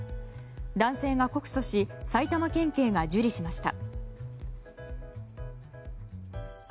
男性が告訴し埼玉県警が受理しました。